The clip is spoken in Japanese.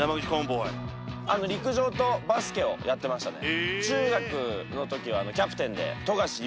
陸上とバスケをやってましたね